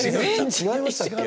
違いましたっけ？